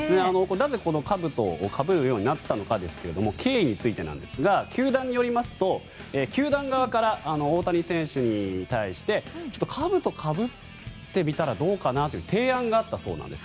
なぜ、このかぶとをかぶるようになったのか経緯についてですが球団によりますと球団側から大谷選手に対して兜をかぶってみたらどうかなという提案があったそうです。